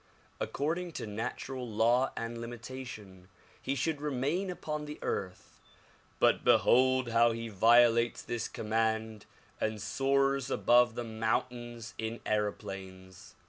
According to natural law and limita tion he should remain upon the earth, but behold how he violates this command and soars above the mountains in aeroplanes.